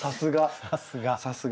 さすが。